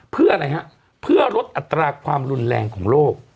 เพื่ออะไรฮะเพื่อลดอัตราความรุนแรงของโลก